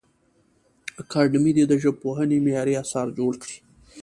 اکاډمي دي د ژبپوهنې معیاري اثار جوړ کړي.